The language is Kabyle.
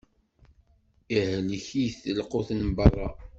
Ihlek-it lqut n berra.